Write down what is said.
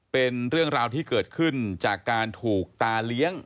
เป็นเรื่องราวที่เกิดขึ้นจากการถูกตาเลี้ยง